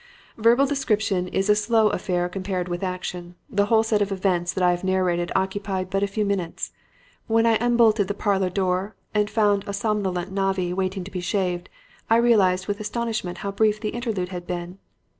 "Verbal description is a slow affair compared with action. The whole set of events that I have narrated occupied but a few minutes. When I unbolted the parlor door and found a somnolent navvy waiting to be shaved, I realized with astonishment how brief the interlude had been.